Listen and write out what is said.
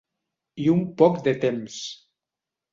I un poc de temps.